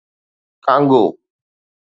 Congo